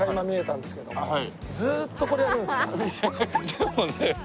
でもね